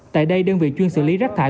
tại đây đơn vị chuyên xử lý rác thải